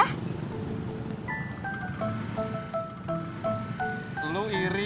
eh apaan sih ini